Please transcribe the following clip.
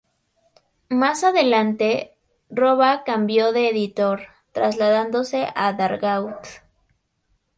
Más adelante, Roba cambió de editor, trasladándose a Dargaud.